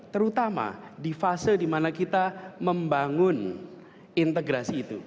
terutama di fase dimana kita membangun integrasi itu